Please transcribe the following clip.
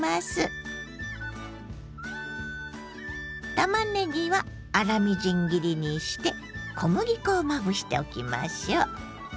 たまねぎは粗みじん切りにして小麦粉をまぶしておきましょう。